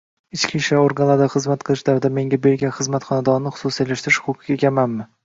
Ichki ishlar organlarida xizmat qilish davrida menga berilgan xizmat xonadonini xususiylashtirish huquqiga egamanmi?